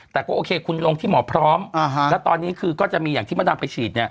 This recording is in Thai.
แต่ก็โอเคคุณลงที่หมอพร้อมแล้วตอนนี้คือก็จะมีอย่างที่มะดำไปฉีดเนี่ย